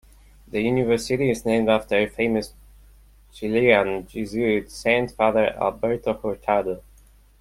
The university is named after a famous Chilean Jesuit Saint, Father Alberto Hurtado.